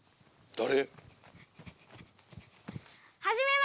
誰？